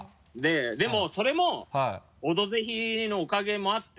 でもそれも「オドぜひ」のおかげもあって。